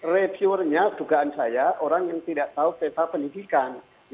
reviewernya dugaan saya orang yang tidak tahu pesa pendidikan